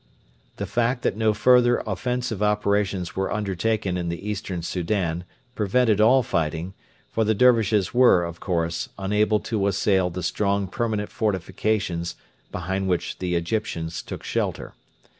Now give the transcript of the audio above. The fact that no further offensive operations were undertaken in the Eastern Soudan prevented all fighting, for the Dervishes were, of course, unable to assail the strong permanent fortifications behind which the Egyptians took shelter.